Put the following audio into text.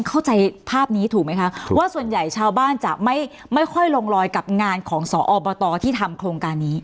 เข้าใจภาพนี้ถูกไหมคะว่าส่วนใหญ่ชาวบ้านจะไม่ค่อยลงลอยกับงานของสอบตที่ทำโครงการนี้